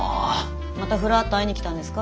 またフラッと会いに来たんですか？